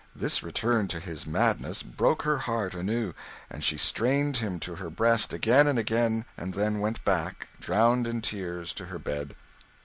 This return to his 'madness' broke her heart anew, and she strained him to her breast again and again, and then went back, drowned in tears, to her bed.